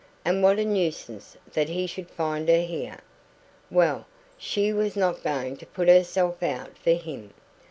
And what a nuisance that he should find her here! Well, she was not going to put herself out for him.